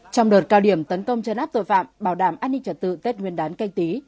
trong đợt cao điểm tấn công chấn áp tội phạm bảo đảm an ninh trật tự tết nguyên đán canh tí